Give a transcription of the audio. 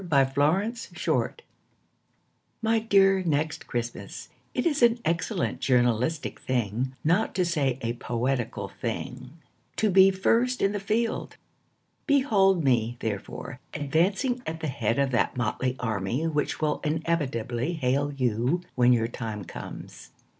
TO NEXT CHRISTMAS My dear Next Christmas, It is an excellent journalistic thing, Not to say a poetical thing, To be first in the field. Behold me, therefore, advancing At the head of that motley army Which will inevitably hail you When your time comes.